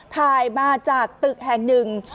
ถ่ายมาจากตึกแห่ง๑